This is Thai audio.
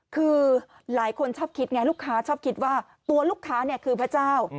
คือหลายคนชอบคิดไงลูกค้าชอบคิดว่าตัวลูกค้าเนี่ยคือพระเจ้า